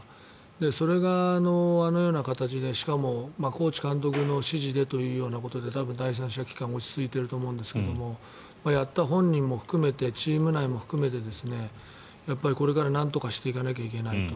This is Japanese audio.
それがあのような形でしかもコーチ、監督の指示でということで多分、第三者機関落ち着いていると思うんですがやった本人も含めてチーム内も含めてこれからなんとかしていかなきゃいけないと。